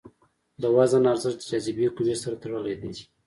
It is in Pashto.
د وزن ارزښت د جاذبې قوې سره تړلی دی.